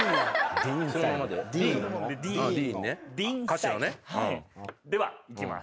ＤＥＥＮ？ではいきます。